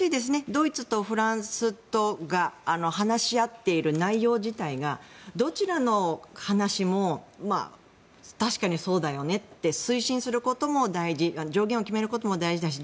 ドイツとフランスとが話し合っている内容自体がどちらの話も確かにそうだよねって推進することも大事上限を決めることも大事だし